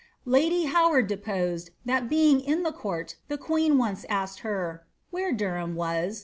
Lady Howard deposed, that being in the court, the queen once asked her, ^ Where Derham was